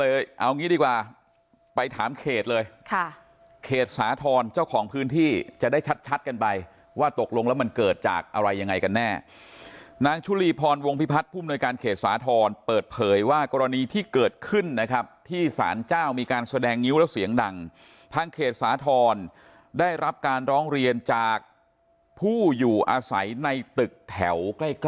เอางี้ดีกว่าไปถามเขตเลยค่ะเขตสาธรณ์เจ้าของพื้นที่จะได้ชัดกันไปว่าตกลงแล้วมันเกิดจากอะไรยังไงกันแน่นางชุลีพรวงพิพัฒน์ผู้มนวยการเขตสาธรณ์เปิดเผยว่ากรณีที่เกิดขึ้นนะครับที่สารเจ้ามีการแสดงงิ้วแล้วเสียงดังทางเขตสาธรณ์ได้รับการร้องเรียนจากผู้อยู่อาศัยในตึกแถวใกล้ก